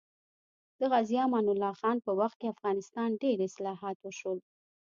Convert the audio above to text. د غازي امان الله خان په وخت کې افغانستان کې ډېر اصلاحات وشول